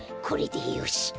これでよし！